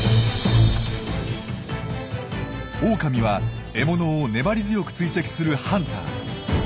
オオカミは獲物を粘り強く追跡するハンター。